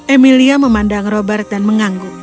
emilia memandang robert dan mengangguk